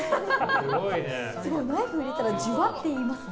すごい、ナイフを入れたらじゅわっていいますね。